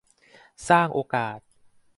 สร้างโอกาส